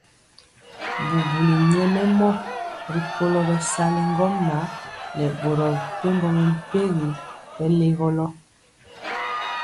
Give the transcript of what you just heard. Bubuli nyɛmemɔ rikolo bɛsali ŋgomnaŋ nɛ boro mepempɔ mɛmpegi bɛlegolɔ.